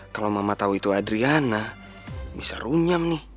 kalo mama tau itu adriana bisa runyam nih